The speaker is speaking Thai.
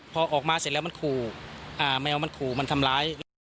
พอออกมาเสร็จแล้วมันขู่แมวมันขู่มันทำร้าย